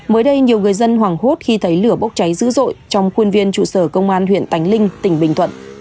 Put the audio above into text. mới đây nhiều người dân hoảng hốt khi thấy lửa bốc cháy dữ dội trong khuôn viên trụ sở công an huyện tánh linh tỉnh bình thuận